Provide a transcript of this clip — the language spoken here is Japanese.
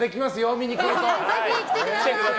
見に来ると。